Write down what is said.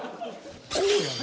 こうやん。